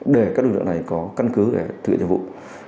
để các lực lượng này có căn cứ để thực hiện thường vụ